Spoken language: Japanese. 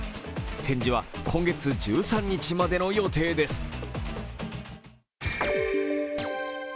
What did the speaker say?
展示は今月１３日までの予定です。